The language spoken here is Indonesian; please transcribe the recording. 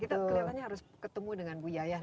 kita kelihatannya harus ketemu dengan bu yayah